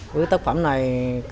với tác phẩm này